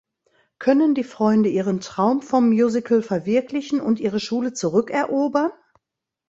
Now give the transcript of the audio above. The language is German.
Können die Freunde ihren Traum vom Musical verwirklichen und ihre Schule zurückerobern?